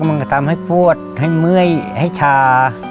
มันก็ทำให้ปวดให้เมื่อยให้ชา